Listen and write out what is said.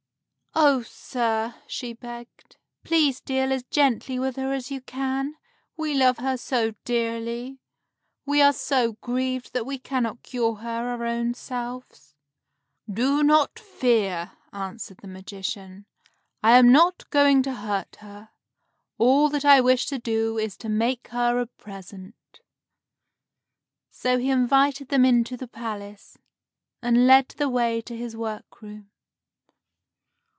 "Oh, sir," she begged, "please deal as gently with her as you can. We love her so dearly. We are so grieved that we cannot cure her our own selves." "Do not fear," answered the magician. "I am not going to hurt her. All that I wish to do is to make her a present." So he invited them into the palace, and led the way to his workroom.